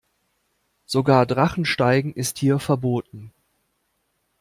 Sogar Drachensteigen ist hier verboten.